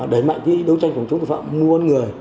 đẩy mạnh đấu tranh phòng chống tội phạm mua bán người